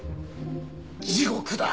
地獄だ！